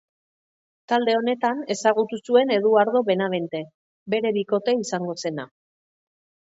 Talde honetan ezagutu zuen Eduardo Benavente, bere bikote izango zena.